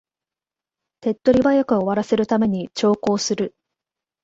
手っ取り早く終わらせるために長考する